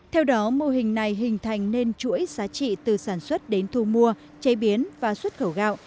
theo đó mô hình này hình thành nên chuỗi giá trị từ sản xuất đến thu mua chế biến và xuất khẩu gạo